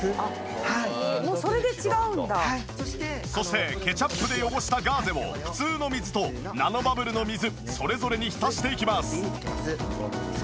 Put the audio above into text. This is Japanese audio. そしてケチャップで汚したガーゼを普通の水とナノバブルの水それぞれに浸していきます。